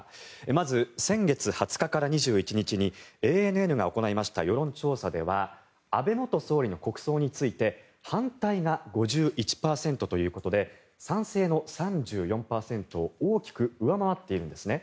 まず、先月２０日から２１日にＡＮＮが行いました世論調査では安倍元総理の国葬について反対が５１％ということで賛成の３４％を大きく上回っているんですね。